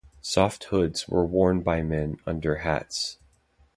Soft hoods were worn by men under hats.